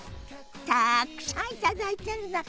たくさん頂いてるんだから。